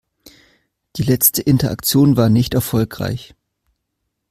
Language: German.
Die letzte Interaktion war nicht erfolgreich.